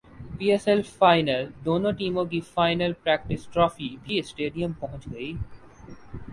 پی S L final دونوں ٹیموں کی فائنل پریکٹسٹرافی بھی اسٹیڈیم پہنچ گئی